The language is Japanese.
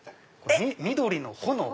緑の炎。